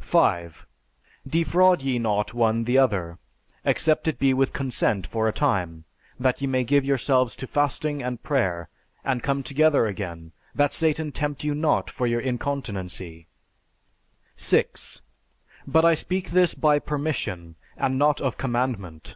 5. Defraud ye not one the other, except it be with consent for a time, that ye may give yourselves to fasting and prayer; and come together again, that Satan tempt you not for your incontinency. 6. But I speak this by permission, and not of commandment.